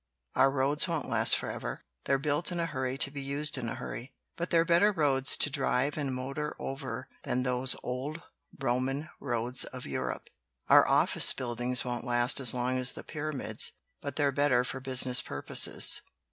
"Our roads won't last forever; they're built in a hurry to be used in a hurry. But they're better roads to drive and motor over than those old Roman roads of Europe. Our office buildings won't last as long as the Pyramids, but they're better for business purposes.